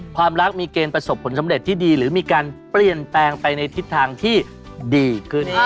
ความรักมีเกณฑ์ประสบผลสำเร็จที่ดีหรือมีการเปลี่ยนแปลงไปในทิศทางที่ดีขึ้น